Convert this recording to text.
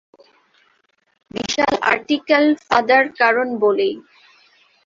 বিশাল article ফাঁদার কারণ বলি।